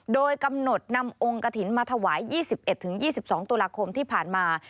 โดยกำหนดนำองค์กระถิ่นมาถวาย๒๑๒๒ตุลาคมที่ผ่านมา